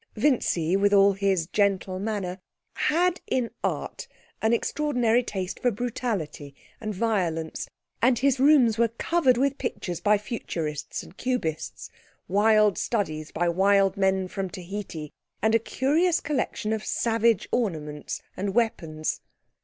Vincy, with all his gentle manner, had in art an extraordinary taste for brutality and violence, and his rooms were covered with pictures by Futurists and Cubists, wild studies by wild men from Tahiti and a curious collection of savage ornaments and weapons.